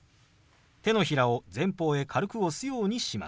手のひらを前方へ軽く押すようにします。